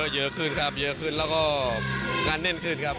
ยี่คืนครับและก็งานเน่นคืนครับ